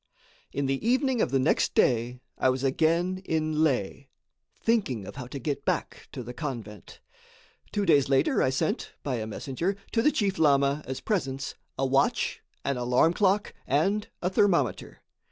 In the evening of the next day I was again in Leh thinking of how to get back to the convent. Two days later I sent, by a messenger, to the chief lama, as presents, a watch, an alarm clock, and a thermometer.